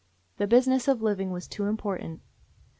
The business of living was too important.